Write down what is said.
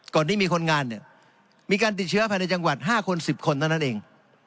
ที่มีคนงานเนี่ยมีการติดเชื้อภายในจังหวัด๕คน๑๐คนเท่านั้นเอง